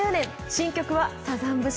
新曲はサザン節